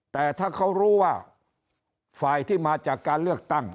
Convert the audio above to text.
แต่ถ้าเขารู้ว่าฝ่ายที่มาจากการเลือกตั้ง